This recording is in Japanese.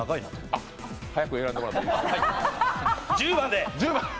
早く選んでもらっていいですか？